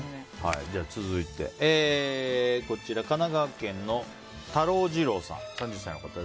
続いて、神奈川県の３３歳の方。